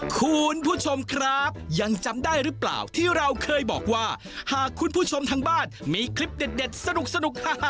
คุณผู้ชมครับยังจำได้หรือเปล่าที่เราเคยบอกว่าหากคุณผู้ชมทางบ้านมีคลิปเด็ดสนุก